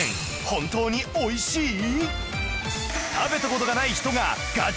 本当に美味しい？